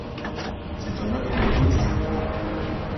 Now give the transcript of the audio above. C'est un affluent gauche du Kouban.